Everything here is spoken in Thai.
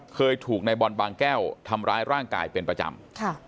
เคยถูกในบอลบางแก้วทำร้ายร่างกายเป็นประจำ